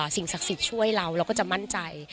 สิ่งศักดิ์สิทธิ์ช่วยเราเราก็จะมั่นใจ